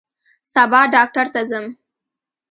سبا ډاکټر ته ځم